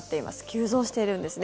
急増しているんですね。